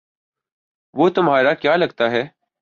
وہ تمہارا کیا لگتا ہے؟